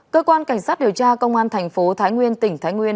cơ quan cảnh sát điều tra công an thành phố thái nguyên tỉnh thái nguyên